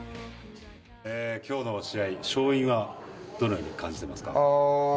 今日の試合、勝因はどのように感じてますか？